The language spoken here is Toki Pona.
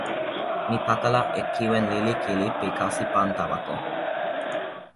mi pakala e kiwen lili kili pi kasi pan tawa ko.